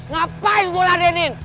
ngapain gua ladenin